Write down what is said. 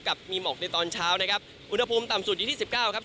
กับมีหมอกในตอนเช้านะครับอุณหภูมิต่ำสุดอยู่ที่สิบเก้าครับ